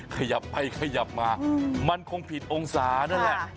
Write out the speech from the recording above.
ขยับไปขยับมามันคงผิดองศานั่นแหละ